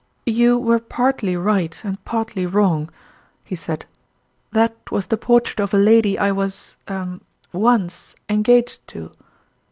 " You were partly right and partly wrong," he said :" that was the portrait of a lady I was er once engaged to."